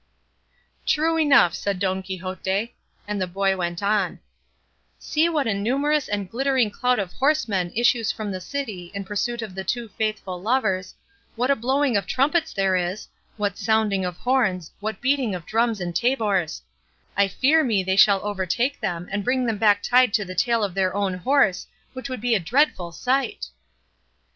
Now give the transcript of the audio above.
"True enough," said Don Quixote; and the boy went on: "See what a numerous and glittering crowd of horsemen issues from the city in pursuit of the two faithful lovers, what a blowing of trumpets there is, what sounding of horns, what beating of drums and tabors; I fear me they will overtake them and bring them back tied to the tail of their own horse, which would be a dreadful sight."